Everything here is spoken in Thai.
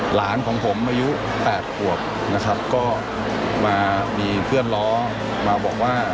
หลานของผมอายุ๘ขวบนะครับก็มามีเพื่อนล้อมาบอกว่า